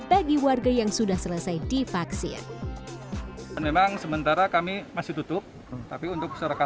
bagi warga yang sudah selesai divaksin